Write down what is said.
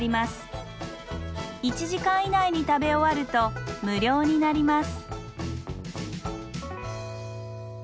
１時間以内に食べ終わると無料になります。